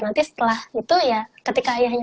nanti setelah itu ya ketika ayahnya